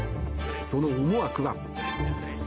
その思惑は。